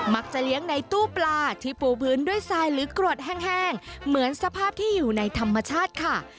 เลี้ยงในตู้ปลาที่ปูพื้นด้วยทรายหรือกรวดแห้งเหมือนสภาพที่อยู่ในธรรมชาติค่ะ